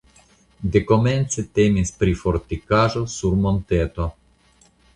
Dekomence temis pri fortikaĵo sur monteto.